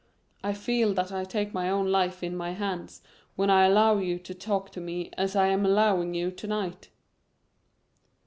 I feel that I take my own life in my hands when I allow you to talk to me as I am allowing you to night."